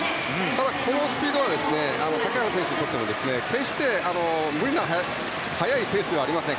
ただ、このスピードは竹原選手にとっても決して無理な速いペースではありません。